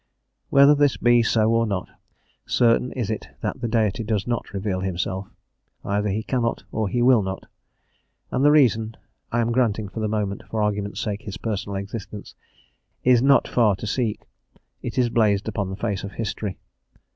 Whether this be so or not, certain is it that the Deity does not reveal himself; either he cannot or he will not. And the reason I am granting for the moment, for argument's sake, his personal existence is not far to seek; it is blazed upon the face of history.